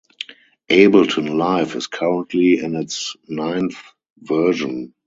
Ableton Live is currently in its ninth version.